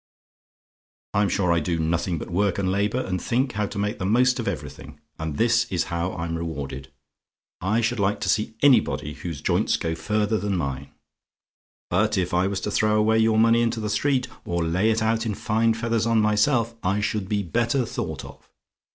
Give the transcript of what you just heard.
"I'm sure I do nothing but work and labour, and think how to make the most of everything; and this is how I'm rewarded. I should like to see anybody whose joints go further than mine. But if I was to throw away your money into the street, or lay it out in fine feathers on myself, I should be better thought of.